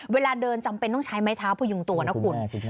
เวลาเดินจำเป็นต้องใช้ไม้เท้าพยุงตัวนะคุณ